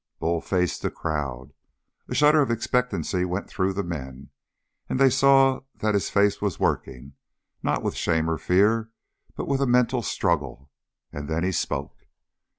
Bull faced the crowd. A shudder of expectancy went through them, and then they saw that his face was working, not with shame or fear but with a mental struggle, and then he spoke.